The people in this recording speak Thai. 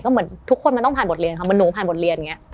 เหมือนทุกคนมันต้องผ่านบทเรียนค่ะเหมือนหนูผ่านบทเรียนอย่างนี้